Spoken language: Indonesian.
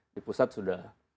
di pusat sudah